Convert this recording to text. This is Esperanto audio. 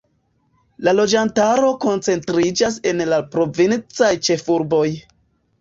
La loĝantaro koncentriĝas en la provincaj ĉefurboj.